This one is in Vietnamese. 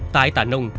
tại tà nung